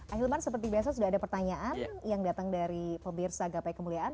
ahilman seperti biasa sudah ada pertanyaan yang datang dari pemirsa gapai kemuliaan